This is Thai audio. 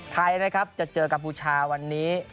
ไทยนะครับจะเจอกัมพูชาวันนี้